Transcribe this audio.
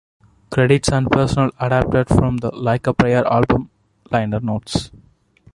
Credits and personnel adapted from "Like a Prayer" album liner notes.